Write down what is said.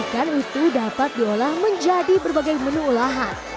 ikan itu dapat diolah menjadi berbagai menu olahan